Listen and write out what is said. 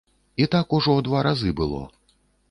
І так ужо два разы было.